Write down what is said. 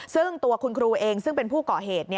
ซึ่งตัวคุณครูเองซึ่งเป็นผู้ก่อเหตุ